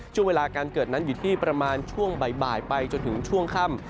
ช่วงเวลาการเกิดนั้นอยู่ที่ประมาณช่วงบ่ายไปจนถึงช่วงค่ำ